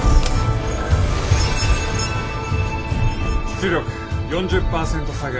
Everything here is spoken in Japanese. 出力４０％下げ。